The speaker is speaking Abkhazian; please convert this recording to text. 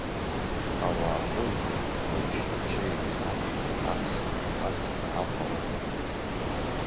Ауаа гәырӷьон, уажәшьҭа ачеи, ашәи, ахши, акәаци раахәара рықәмызт.